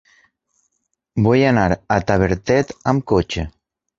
Vull anar a Tavertet amb cotxe.